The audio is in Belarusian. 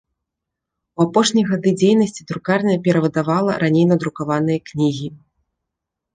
У апошнія гады дзейнасці друкарня перавыдавала раней надрукаваныя кнігі.